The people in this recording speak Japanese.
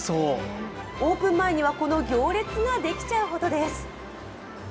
オープン前にはこの行列ができちゃうほどです。